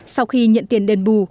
sau khi nhận tiền đền bù